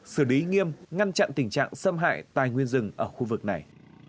xử lý nghiêm ngăn chặn tình trạng xâm hại tài nguyên rừng ở khu vực này